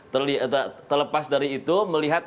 terlepas dari itu melihat